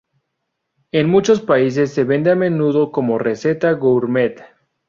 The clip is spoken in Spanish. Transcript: En muchos países se vende a menudo como receta "gourmet".